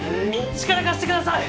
力貸してください！